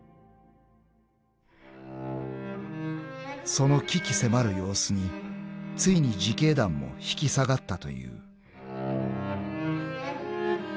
［その鬼気迫る様子についに自警団も引き下がったという］